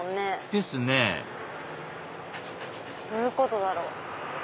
ですねどういうことだろう？